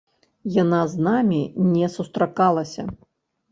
Яна з намі не сустракалася.